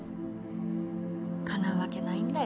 かなうわけないんだよ